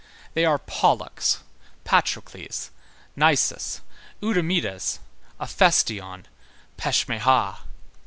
They are Pollux, Patrocles, Nisus, Eudamidas, Ephestion, Pechmeja.